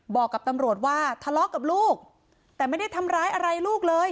บอกกับตำรวจว่าทะเลาะกับลูกแต่ไม่ได้ทำร้ายอะไรลูกเลย